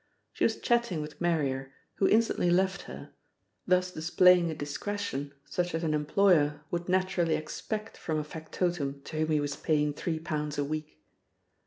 She was chatting with Marrier, who instantly left her, thus displaying a discretion such as an employer would naturally expect from a factotum to whom he was paying three pounds a week.